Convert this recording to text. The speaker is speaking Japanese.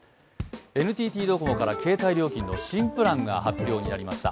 ＮＴＴドコモから携帯料金の新プランが発表になりました。